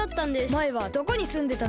まえはどこにすんでたの？